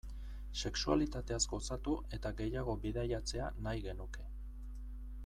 Sexualitateaz gozatu eta gehiago bidaiatzea nahi genuke.